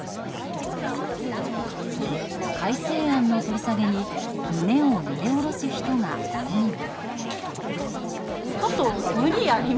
改正案の取り下げに胸をなで下ろす人が、ここにも。